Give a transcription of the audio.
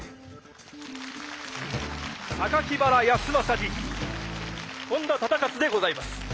榊原康政に本多忠勝でございます。